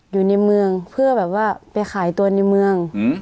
อยู่ในเมืองเพื่อแบบว่าไปขายตัวในเมือง